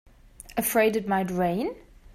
Afraid it might rain?